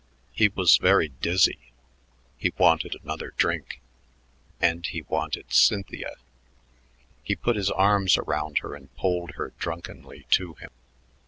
He was very dizzy. He wanted another drink and he wanted Cynthia. He put his arms around her and pulled her drunkenly to him.